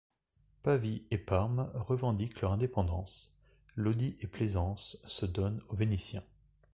Pavie et Parme revendiquent leur indépendance, Lodi et Plaisance se donnent aux Vénitiens.